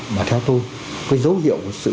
mà theo tôi cái dấu hiệu